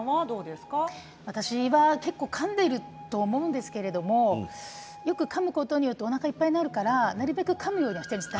私は結構かんでいると思うんですけれどよくかむことによっておなかいっぱいになるからなるべくかむようにしているんです。